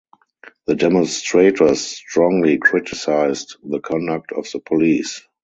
The demonstrators strongly criticized the conduct of the police.